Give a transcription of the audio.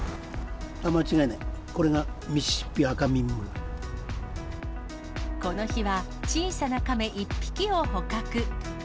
間違いない、この日は、小さなカメ１匹を捕獲。